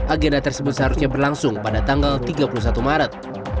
agenda tersebut seharusnya berlangsung pada tanggal tiga puluh satu maret